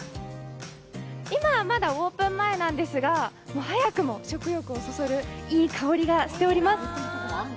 今はまだオープン前なんですが、早くも食欲をそそる、いい香りがしております。